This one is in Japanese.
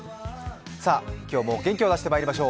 さあ、今日も元気を出してまいりましょう。